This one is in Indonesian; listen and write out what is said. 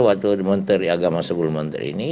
waktu menteri agama sepuluh menteri ini